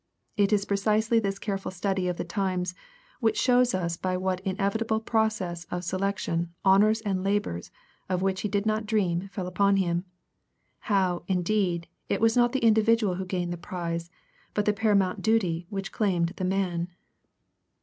It is precisely this careful study of the times which shows us by what inevitable process of selection honors and labors of which he did not dream fell upon him; how, indeed, it was not the individual who gained the prize, but the paramount duty which claimed the man.